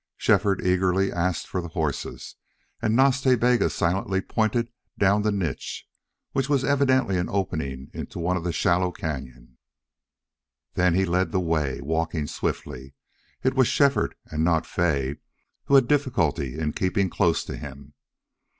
Shefford eagerly asked for the horses, and Nas Ta Bega silently pointed down the niche, which was evidently an opening into one of the shallow cañon. Then he led the way, walking swiftly. It was Shefford, and not Fay, who had difficulty in keeping close to him.